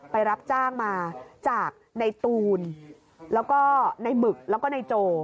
ไปรับจ้างมาจากในตูนในหมึกแล้วก็ในโจ